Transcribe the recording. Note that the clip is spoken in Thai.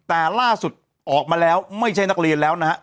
แต่ล่าสุดออกมาแล้วไม่ใช่นักเรียนแล้วนะฮะ